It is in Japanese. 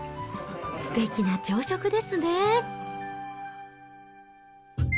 すてきな朝食ですね。